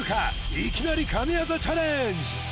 いきなり神業チャレンジ！